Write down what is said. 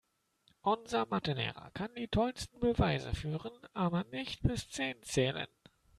Unser Mathe-Lehrer kann die tollsten Beweise führen, aber nicht bis zehn zählen.